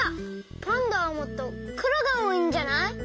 パンダはもっとくろがおおいんじゃない？